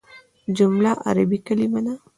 جمله عربي کليمه ده.